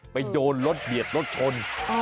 ไปโดนรถเบียดรถชน